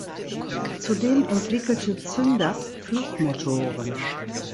Zudem entwickelte Zündapp Flugmotoren.